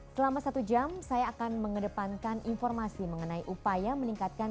selama satu jam saya akan mengedepankan informasi mengenai upaya meningkatkan